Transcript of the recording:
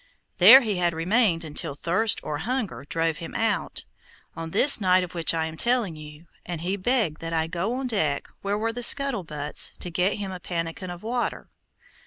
There he had remained until thirst, or hunger, drove him out, on this night of which I am telling you, and he begged that I go on deck, where were the scuttle butts, to get him a pannikin of water.